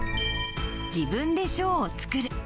自分でショーを作る。